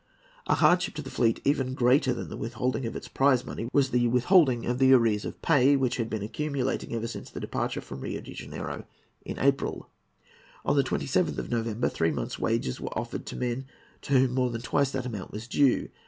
A hardship to the fleet even greater than the withholding of its prize money was the withholding of the arrears of pay, which had been accumulating ever since the departure from Rio de Janeiro in April. On the 27th of November, three months' wages were offered to men to whom more than twice the amount was due.